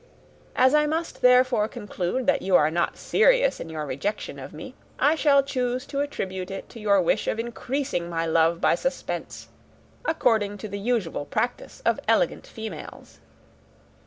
As I must, therefore, conclude that you are not serious in your rejection of me, I shall choose to attribute it to your wish of increasing my love by suspense, according to the usual practice of elegant females."